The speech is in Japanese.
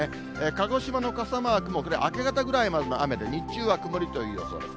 鹿児島の傘マークもこれ、明け方ぐらいまでの雨で、日中は曇りという予想です。